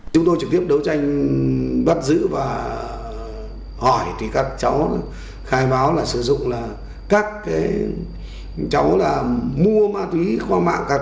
chúng tôi bắt giữ và hỏi thì các cháu khai báo là sử dụng là các cháu là mua ma túy khoa mạng